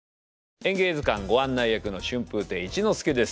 「演芸図鑑」ご案内役の春風亭一之輔です。